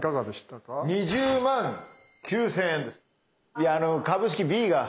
いやあの株式Ｂが。